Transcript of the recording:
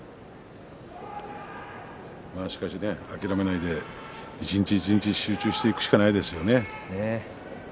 まあ、しかし諦めないで一日一日集中していくしかないですね。